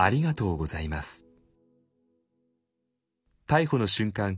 逮捕の瞬間